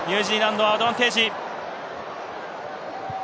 ニュージーランド、アドバンテージ。